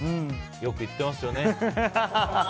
よく言ってますよね。